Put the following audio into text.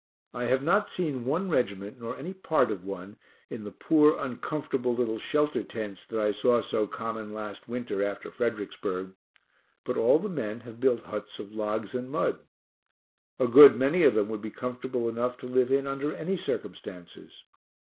I have not seen one regiment, nor any part of one, in the poor uncomfortable little shelter tents that I saw so common last winter after Fredericksburg but all the men have built huts of logs and mud. A good many of them would be comfortable enough to live in under any circumstances.